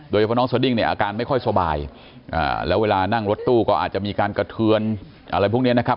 โดยเฉพาะน้องสดิ้งเนี่ยอาการไม่ค่อยสบายแล้วเวลานั่งรถตู้ก็อาจจะมีการกระเทือนอะไรพวกนี้นะครับ